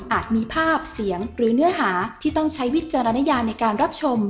มีภาพเสียงหรือเนื้อหาที่ต้องใช้วิจารณญาในการรับชม